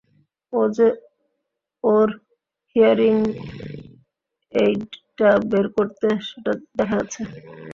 ও যে ওর হিয়ারিং এইডটা বের করছে সেটা দেখা যাচ্ছে।